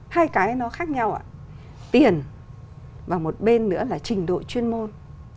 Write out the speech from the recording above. hai cái nó khác nhau ạ tiền và một bên nữa là trình độ chuyên môn